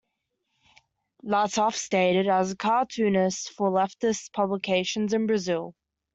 Latuff started as a cartoonist for leftist publications in Brazil.